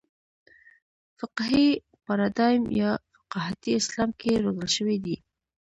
فقهي پاراډایم یا فقاهتي اسلام کې روزل شوي دي.